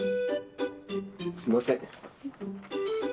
すいません。